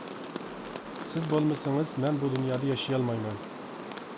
سىز بولمىسىڭىز مەن بۇ دۇنيادا ياشىيالمايمەن.